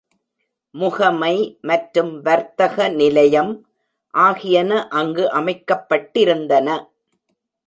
முகமை மற்றும் வர்த்தக நிலையம் ஆகியன அங்கு அமைக்கப்பட்டிருந்தன.